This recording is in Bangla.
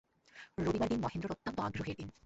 রবিবার দিন মহেন্দ্রের অত্যন্ত আগ্রহের দিন।